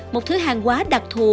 một thứ hàng quá đặc thù